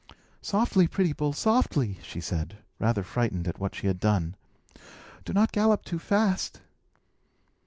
"Softly, pretty bull, softly!" she said, rather frightened at what she had done. "Do not gallop too fast."